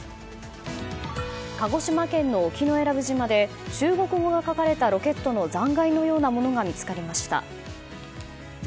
鹿児島県の沖江良部島で中国語が書かれたロケットの残骸のようなものが見つかりました。